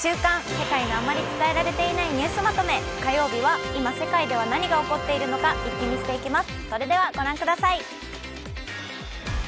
世界のあまり伝えられていないニュースまとめ」火曜日は今世界では何が起こっているのかイッキ見していきます。